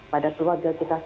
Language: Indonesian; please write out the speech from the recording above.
pada keluarga kita